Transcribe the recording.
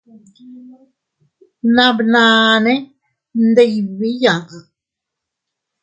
Bnamnane ndibii yaʼa.